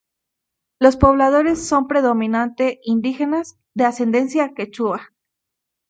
Los pobladores son predominante indígenas de ascendencia quechua.